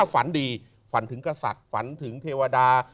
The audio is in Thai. ฝันดีฝันถึงกษัตริย์ฝันถึงเทวดา